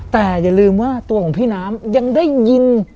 แต่อย่าลืมว่าตัวของพี่น้ำยังได้ยิน